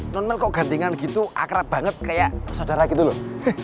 nonton kok gantingan gitu akrab banget kayak saudara gitu loh